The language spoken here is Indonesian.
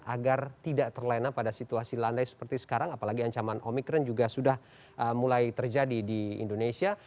agar tidak terlena pada situasi landai seperti sekarang apalagi ancaman omikron juga sudah mulai terjadi di indonesia